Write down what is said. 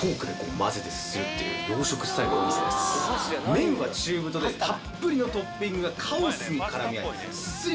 麺は中太でたっぷりのトッピングがカオスに絡み合いすすり